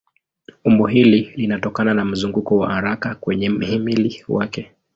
Umbo hili linatokana na mzunguko wa haraka kwenye mhimili wake.